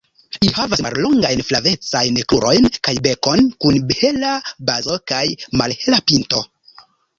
Ili havas mallongajn flavecajn krurojn kaj bekon kun hela bazo kaj malhela pinto.